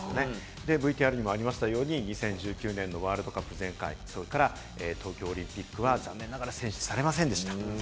ＶＴＲにもありましたように、２０１９年ワールドカップ、東京オリンピックは残念ながら選出されませんでした。